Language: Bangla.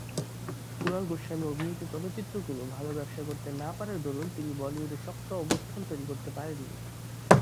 কুনাল গোস্বামী অভিনীত চলচ্চিত্রগুলো ভালো ব্যবসা করতে না পারার দরুন তিনি বলিউডে শক্ত অবস্থান তৈরি করতে পারেন নি।